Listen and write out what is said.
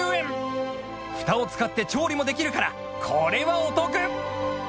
フタを使って調理もできるからこれはお得！